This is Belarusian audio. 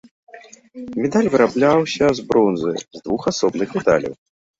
Медаль вырабляўся з бронзы, з двух асобных дэталяў.